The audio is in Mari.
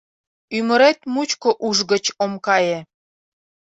Ӱмырет мучко уш гыч ом кае.